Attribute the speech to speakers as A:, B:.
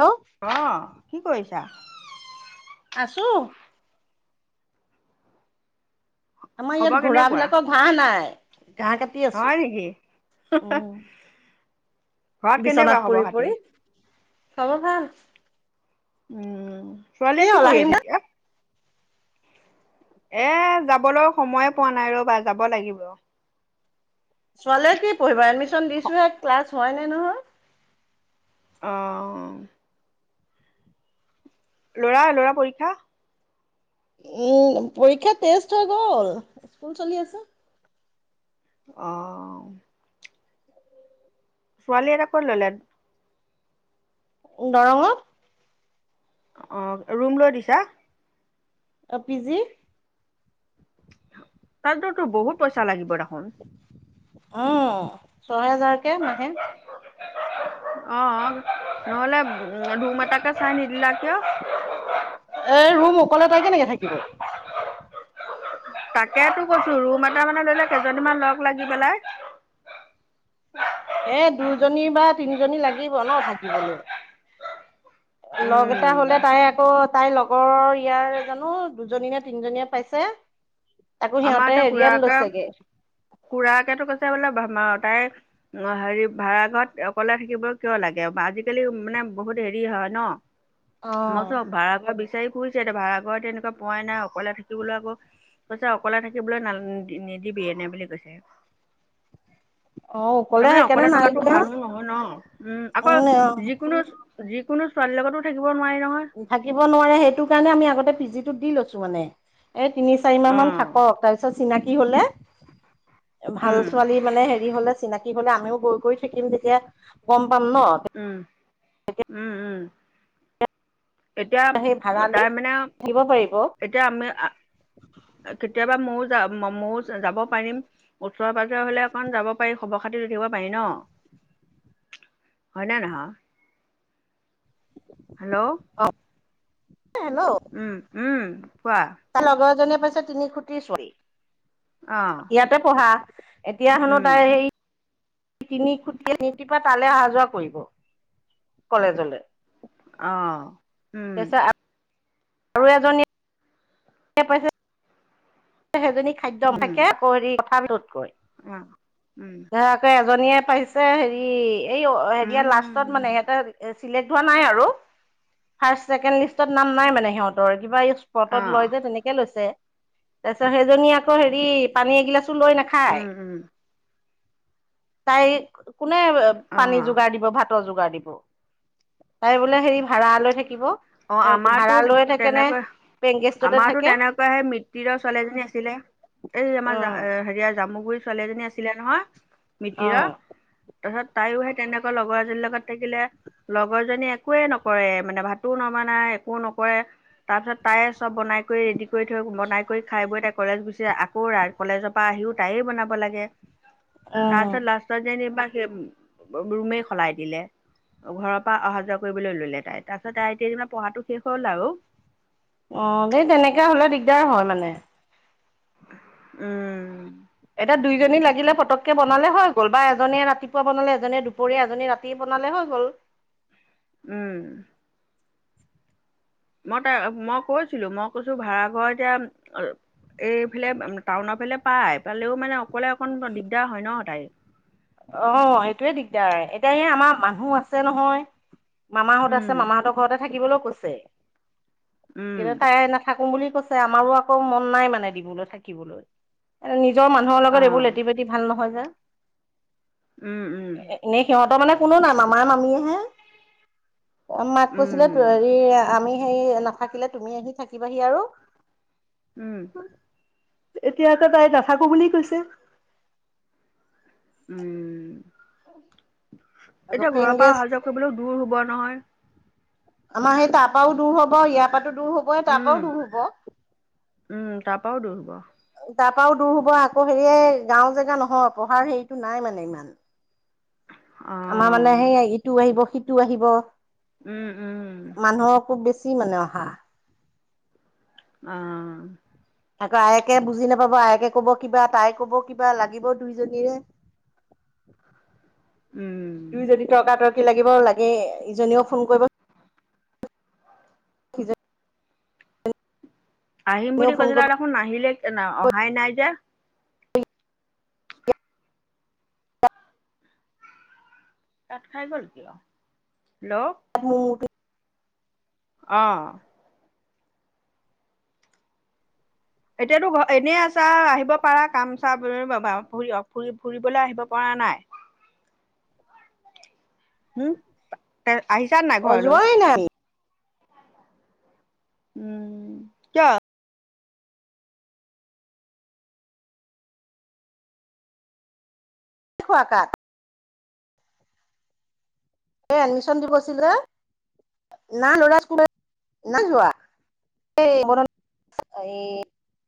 A: Hello
B: অহ কি কৰিছা?
A: আছো। আমাৰ
B: খবৰ
A: ইয়াত ঘোৰা
B: কেনেকুৱা
A: বিলাকৰ ঘাঁহ নাই। ঘাঁহ কাটি আছো
B: হয় নেকি?
A: উম
B: ঘৰত কেনেকুৱা
A: বিচনাত
B: খবৰ
A: পৰি
B: খাতি
A: পৰি, খবৰ ভাল?
B: উম, ছোৱালীয়ে কি
A: হ'ল
B: পঢ়ি
A: আহিম
B: আছে
A: নে
B: এতিয়া? এ যাবলৈ সময় পোৱা নাই ৰ'বা! যাব লাগিব।
A: ছোৱালীয়ে কি পঢ়িব এডমিছন দিছোহে, ক্লাছ হোৱাই নাই নহয়।
B: অ'। লৰা-ল'ৰাৰ পৰীক্ষা?
A: উম, পৰীক্ষা টেষ্ট হৈ গ'ল, স্কুল চলি আছে।
B: আহ। ছোৱালীয়ে এতিয়া ক'ত ললে?
A: দৰঙত।
B: অ' ৰুম লৈ দিছা।
A: অ' পিজি।
B: তাততো তোৰ বহুত পইচা লাগিব দেখোন।
A: অ' ছয় হেজাৰকে মাহে।
B: [inaudible] অ' নহ'লে ৰুম এটাকে চাই নিদিলা কিয়?
A: এ ৰুম অ'কলে তাই কেনেকে থাকিব।
B: তাকেতো কৈছো ৰুম এটা মানে ল'লে কেইজনীমান লগ লাগি পেলাই।
A: এ দুজনী বা তিনিজনী লাগিব ন থাকিবলৈ। লগ এটা
B: উম
A: হলে তাই আকৌ তাইৰ লগৰৰ ইয়াৰ জানো দুজনী নে তিনজনীয়ে পাইছে। তাকো
B: আমাৰ
A: সিহঁতে
B: এতিয়া
A: হেৰিয়াত
B: খুুৰাকে
A: লৈছেগে
B: খুুৰাকেতো কৈছে বোলে তাই অ' হেৰি ভাড়াঘৰত অকলে থাকিব কিয় লাগে, আজিকালি মানে বহুত হেৰি হয় ন।
A: অ
B: মই চো ভাড়া বিচ বিচাৰি ফুৰিছে এতিয়া ভাড়া ঘৰত এনেকুৱা পোৱাই অকলে থাকিবলৈ আকৌ অকলে থাকিবলৈ নান নিদিবি এনে বুলি কৈছে তাৰমানে
A: সেইকাৰণে
B: অকলে
A: নাই
B: থকাটো
A: দিয়া
B: ভালো নহয় ন উম আকৌ
A: উম
B: যিকোনো যিকোনো ছোৱালীৰ লগতো থাকিব নোৱাৰি নহয়
A: থাকিব নোৱাৰে সেইটো কাৰণে আমি আগতে পি জিটোত দি লৈছো মানে এই তিনি চাৰি মাহ
B: অ
A: মান থাকক তাৰপিছত চিনাকি হলে ভাল
B: উম
A: ছোৱালী মানে হেৰি হলে চিনাকি হলে আমিও গৈ গৈ থাকিম যেতিয়া গম পাম ন
B: উম উম উম এতিয়া
A: সেই ভাড়া লৈ
B: তাৰ মানে
A: থাকিব পাৰিব অ
B: এতিয়া আমি কেতিয়াবা ময়ো যাম ময়ো যাব পাৰিম ওচৰে পাজৰে হলে অকণ যাব পাৰি খবৰ খাতি লৈ থাকিব পাৰি ন, হয় না নহয় হেল্ল'
A: হেল্ল'
B: উম উম কোৱা
A: ছজনীয়ে পাইছে তিনি খুটিৰ ছোৱালী
B: অ
A: ইয়াতে পঢ়া এতিয়া শুনো
B: উম
A: তাই সেই তিনি খুটিল তিনিপা তালে অহা যোৱা কৰিব কলেজলে
B: অহ উম
A: আৰু এজনী এ পাইছে সেইজনী খাদ্য
B: উম
A: থাকে [unintelligible]
B: অ' উম
A: ইয়াৰ আকৌ এজনীয়ে পাইছে হেৰি, এই হেৰিয়া লাষ্টত
B: উম
A: মানে, সিহঁতৰ চিলেক্ট হোৱা নাই আৰু, ফাৰ্ষ্ট-ছেকেণ্ড লিষ্টত নাম নাই মানে সিহঁতৰ, কিবা এই চ স্পতত
B: অঁ
A: লয় যে তেনেকে লৈছে, তাৰপিছত সেইজনী আকৌ হেৰি, পানী এগিলাচ টো লৈ নাখায়।
B: উম উম
A: তাইক, কোনে পানী
B: অঁ
A: যোগাৰ দিব ভাত তৰ যোগাৰ দিব, তাই বোলে হেৰি ভাড়া লৈ থাকিব।
B: অঁ আমাৰতো
A: ভাড়া লৈয়ে থাকে নে,
B: তেনেকৈ
A: পে
B: আমাৰতো তেনেকুৱা সেই মিটিৰৰ ছোৱালী এজনী আছিলে, এই
A: অ
B: আমাৰ জ-হেৰিয়া জামুগুৰিত ছোৱালী এজনী আছিলে নহয়,
A: অ
B: মিতিৰৰ তাৰপিছত তাইও সেই তেনেকুৱা লগৰ এজনীৰ লগত থাকিলে, লগৰজনীয়ে একোৱেই নকৰে, মানে ভাত তোও নবনাই, একো নকৰে, তাৰ পিছত তাইয়ে চব বনাই কৰি ৰে'ডি কৰি থৈ, বনাই কৰি খাই বৈ তাই ক কলেজ গুচি যায়, আকৌ কলেজৰ পৰা আহিও তাইয়েই বনাব লাগে
A: অ
B: তাৰপিছত লাষ্টত যেনিবা সেই ৰুমেই সলাই দিলে, ঘৰৰ পৰা অহা যোৱা কৰিবলৈ ল'লে তাই, তাৰ তাৰ এতিয়া যেনিবা পঢ়াটো শেষ হ'ল আৰু।
A: অ', সেই তেনেকুৱা হলে দিগদাৰ হয় মানে।
B: উম
A: এতিয়া দুইজনী লাগিলে পটককে বনালে হৈ গ'ল, বা এজনীয়ে ৰাতিপুৱা বনালে, এজনীয়ে দুপৰীয়া, এজনীয়ে ৰাতি বনালে বনালে হৈ গ'ল।
B: উম। মই তাই -মই তাইক কৈছিলো, মই কৈছো ভাড়া ঘৰ এতিয়া এইফালে, টাউনৰ ফালে পাই। পালেও মানে অকলে অকণ দিগদাৰ হয় ন' তাইৰ।
A: অ', সেইটোয়ে দিগদাৰ, এতিয়া এই আমাৰ মানুহ আছে নহয়। মামাহঁত
B: উম
A: আছে মামাহঁতৰ ঘৰতে থাকিবলৈও কৈছে,
B: উম
A: কিন্তু তাই নাথাকো বুলি কৈছে আমাৰো আকৌ মন নাই মানে দিবলৈ, থাকিবলৈ। নিজৰ মানুহৰ
B: অ
A: লগত এইবোৰ লেটি-পেটি ভাল নহয় যে।
B: উম উম
A: এনেই সিহঁতৰ মানে কোনো নাই, মামা মামীহে। মাক
B: উম
A: কৈছিলে, হেৰি আমি হেৰি নাথাকিলে তুমি আহি থাকিবাহি আৰু।
B: উম।
A: এতিয়া আকৌ তাই নাথাকো বুলি কৈছে।
B: উম,
A: আকৌ
B: এতিয়া ঘৰৰ পৰা অহা
A: পিংগেজ
B: যোৱা কৰিবলৈও দূৰ হব নহয়।
A: আমাৰ সেই তাৰ পৰাও দূৰ হ'ব, ইয়াৰ পৰা টো দূৰ হ'বই তাৰ
B: উম
A: পৰাও দূৰ হ'ব।
B: উম, তাৰ পৰাও দূৰ হ'ব।
A: তাৰ পৰাও দূৰ হ'ব। আকৌ হেৰি এই গাঁও জেগা নহয়, পঢ়াৰ হেৰিটো নাই মানে ইমান।
B: অ
A: আমাৰ মানে সেই ইটো আহিব সিটো আহিব।
B: উম, উম।
A: কি মানে অহা?
B: অ'।
A: আকৌ আয়েকে বুজি নাপাব, আয়েকে ক'ব কিবা তাই ক'ব কিবা লাগিব দুইজনীৰে।
B: [inaudible] উম
A: তুই যদি তৰ্ক তৰ্কি লাগিব লাগে, ইজনীও ফোন কৰিব [unintelligible]
B: আহিম বুলি
A: সিজনীও ফোন
B: কৈছিলে
A: কৰিব
B: দেখোন নাহিলে, অহাই নাই যে। কাত খাই গল কিয়? হেল্ল'
A: [unintelligible]
B: অ'। এতিয়াতো ঘ, এনেই আছা আহিব পাৰা কাম চা, [unintelligible] ফুৰি-ফুৰি-ফুৰিবলৈ আহিব পাৰা। নাই, উম আহিছা নাই
A: অ
B: ঘৰলৈ?
A: যোৱাই নাই
B: উম ক
A: দেখ কাত এ এডমিচন দিিবৈছিলে না লৰা স্কুলত না যোৱা এই ব এই